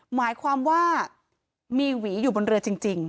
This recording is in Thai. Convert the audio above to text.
หมายความว่ามีหวีอยู่บนเรือจริง